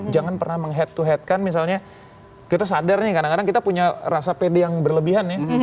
jangan pernah menghead to head kan misalnya kita sadar nih kadang kadang kita punya rasa pede yang berlebihan ya